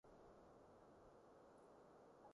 馬拉糕